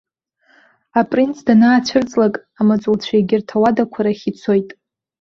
Апринц данаацәырҵлак, амаҵуцәа егьырҭ ауадақәа рахь ицоит.